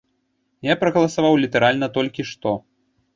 Я прагаласаваў літаральна толькі што.